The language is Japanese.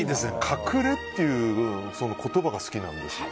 隠れという言葉が好きなんですよ。